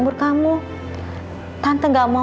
tapi kamu jangan bilang sama datue devi